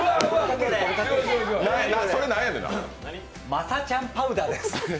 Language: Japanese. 雅ちゃんパウダーです。